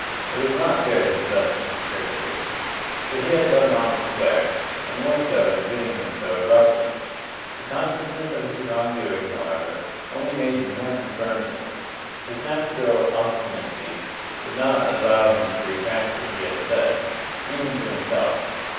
It was not fair to be thus misinterpreted. But he had done wrong to swear, and more so in quitting them so abruptly. The consciousness of his wrong doing, however, only made him more confirmed in it. His native obstinacy would not allow him to retract what he had said even to himself.